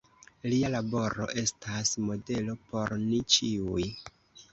Lia laboro estas modelo por ni ĉiuj.